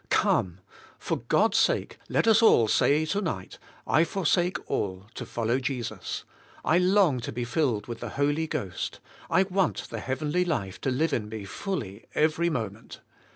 Come! For God's sake let us all say tonight, "I forsake all to follow Jesus. I long to be filled with the Holy Ghost; I want the heavenly life to live in me fully every mo ment.